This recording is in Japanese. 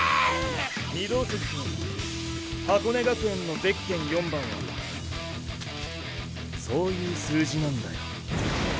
御堂筋くん箱根学園のゼッケン４番はそういう数字なんだよ。